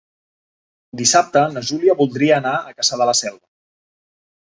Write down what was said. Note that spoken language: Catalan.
Dissabte na Júlia voldria anar a Cassà de la Selva.